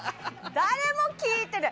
誰も聞いてない！